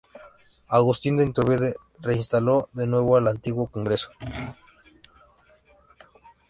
Agustín de Iturbide reinstaló de nuevo al antiguo congreso.